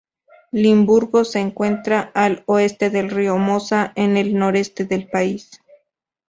Limburgo se encuentra al oeste del río Mosa, en el noreste del país.